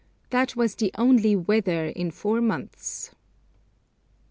That was the only 'weather' in four months.